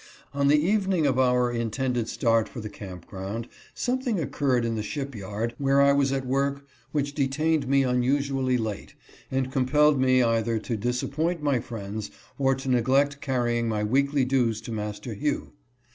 On the evening of our intended start for the camp ground, some thing occurred in the ship yard where I was at work which detained me unusually late, and compelled me either to disappoint my friends, or to neglect carrying my weekly dues to Master Hugh.